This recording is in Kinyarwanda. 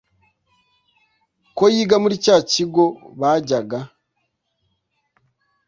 ko yiga muri cyakigo bajyaga